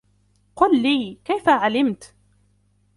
قل لي, كيف علمتَ ؟